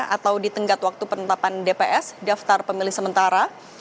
atau di tenggat waktu penetapan dps daftar pemilih sementara